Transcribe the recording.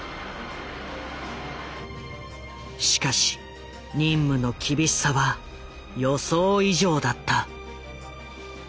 しかし任務の厳しさは予想以上だった。